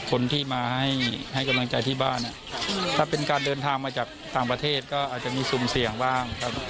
คนที่มาให้กำลังใจที่บ้านถ้าเป็นการเดินทางมาจากต่างประเทศก็อาจจะมีซุ่มเสี่ยงบ้างครับ